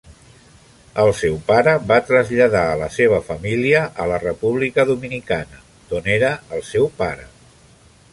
El seu pare es va traslladar a la seva família a la República Dominicana d'on era el seu pare.